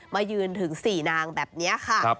มายืนถึง๔นางแบบนี้ค่ะ